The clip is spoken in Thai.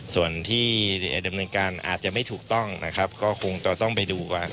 ส่วนที่ดำเนินการอาจจะไม่ถูกต้องนะครับก็คงจะต้องไปดูกัน